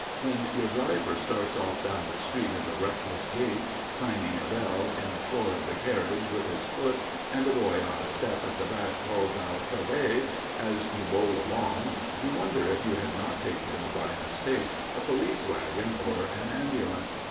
When your driver starts off down the street at a reckless gait, clanging a bell in the floor of the carriage with his foot, and a boy on a step at the back calls out "Tahvay!" as you bowl along, you wonder if you have not taken, by mistake, a police wagon or an ambulance.